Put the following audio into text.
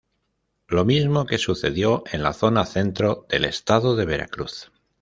Lo mismo que sucedió en la zona centro del Estado de Veracruz.